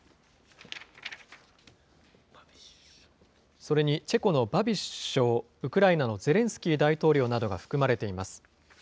それにチェコのバビシュ首相、ウクライナのゼレンスキー大統領などが含まれています。